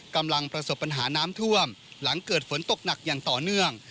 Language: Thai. กำลังประสบปัญหาน้ำท่วมหลังเกิดฝนตกหนักอย่างต่อเนื่อง